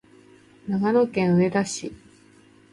長野県上田市